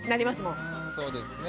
うんそうですね。